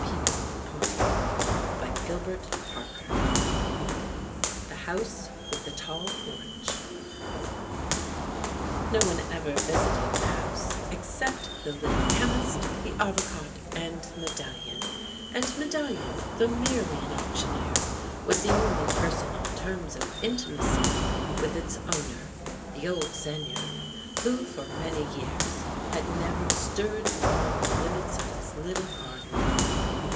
THE HOUSE WITH THE TALL PORCH THE HOUSE WITH THE TALL PORCH NO one ever visited the House except the Little Chemist, the Avocat, and Medalhon ; and Me dallion, though merely an auctioneer, was the only person on terms of intimacy with its owner, the old Seigneur, who for many years had never stirred be yond the limits of his little garden.